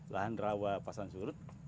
lahan rawa pasan surut